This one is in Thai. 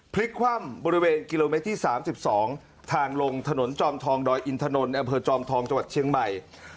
พลิกคว่ำบริเวณกิโลเมตรที่๓๒ทางลงถนนจอมทองดอยอินทนนท์อำเภอจอมทองจังหวัดเชียงใหม่